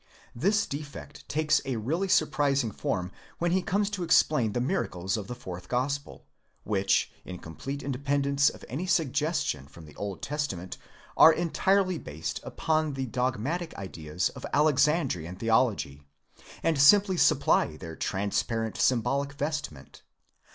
This defect takes a really surprising form when he comes to explain the miracles of the Fourth Gospel, which, in complete independence of any suggestion from the Old Testa ment, are entirely based upon the dogmatic ideas of the Alexandrian theology, and simply supply their B a XVill INTRODUCTION. _ transparent symbolic vestment.